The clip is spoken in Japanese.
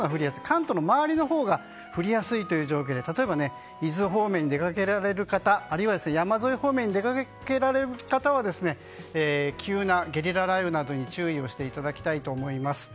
関東の周りのほうが降りやすい状況で例えば伊豆方面に出かけられる方あるいは山沿い方面に出かけられる方は急なゲリラ雷雨などに注意していただきたいと思います。